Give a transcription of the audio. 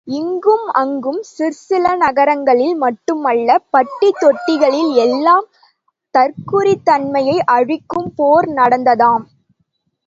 இங்கும் அங்கும் சிற்சில நகரங்களில் மட்டுமல்ல, பட்டி தொட்டிகளில் எல்லாம் தற்குறித் தன்மையை அழிக்கும் போர் நடந்ததாம்.